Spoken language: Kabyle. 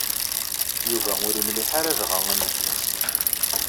Yuba ur imliḥ ara dɣa am gma-s.